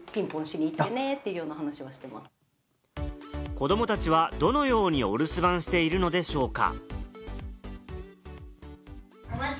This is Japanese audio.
子供たちは、どのようにお留守番しているのでしょうか。